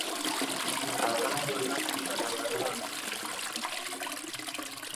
রাজধানীর গুলশানে নিজ কার্যালয়ে সন্ধ্যা ছয়টার দিকে সংবাদ সম্মেলন শুরু হয়।